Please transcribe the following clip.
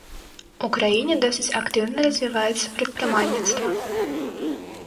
У краіне досыць актыўна развіваецца прадпрымальніцтва.